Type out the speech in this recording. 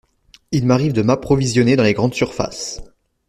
Il m’arrive de m’approvisionner dans les grandes surfaces.